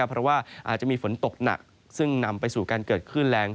เพราะว่าอาจจะมีฝนตกหนักซึ่งนำไปสู่การเกิดขึ้นแรง